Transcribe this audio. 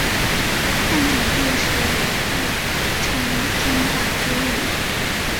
汉景帝时一度改称中大夫令。